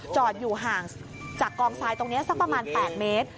อยู่ห่างจากกองทรายตรงนี้สักประมาณ๘เมตร